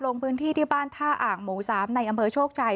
ลงพื้นที่ที่บ้านท่าอ่างหมู่๓ในอำเภอโชคชัย